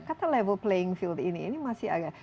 kata level playing field ini ini masih agak